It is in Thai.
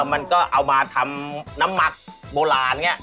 มันก็เอามาทำน้ำหมักโบราณอย่างนี้